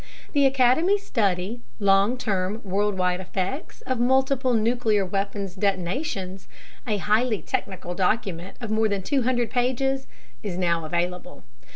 The Academy's study, Long Term Worldwide Effects of Multiple Nuclear Weapons Detonations, a highly technical document of more than 200 pages, is now available.